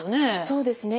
そうですね。